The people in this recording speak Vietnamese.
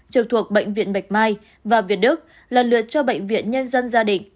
trực thuộc bệnh viện bạch mai và việt đức lần lượt cho bệnh viện nhân dân gia định